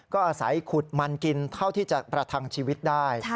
ก็อาศัยขุดมันกินเท่าที่จะประทังชีวิตได้